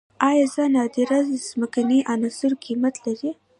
آیا نادره ځمکنۍ عناصر قیمت لري؟